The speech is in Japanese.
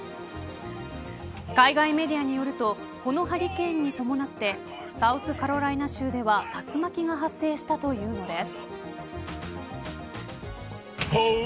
海外メディアによるとこのハリケーンに伴ってサウスカロライナ州では竜巻が発生したというのです。